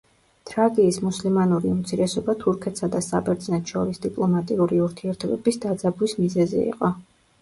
თრაკიის მუსლიმანური უმცირესობა თურქეთსა და საბერძნეთს შორის დიპლომატიური ურთიერთობების დაძაბვის მიზეზი იყო.